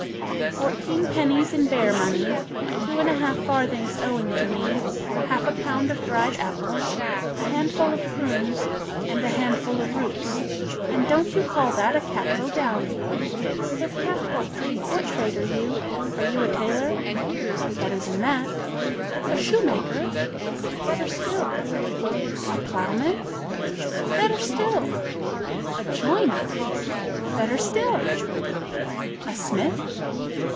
"Fourteen pennies in bare money, two and a half farthings owing to me, half a pound of dried apples, a handful of prunes, and a handful of roots; and don't you call that a capital dowry? Pif paf Poltrie, what trade are you? Are you a tailor?" "Better than that." "A shoemaker?" "Better still!" "A plowman?" "Better still!" "A joiner?" "Better still!" "A smith?"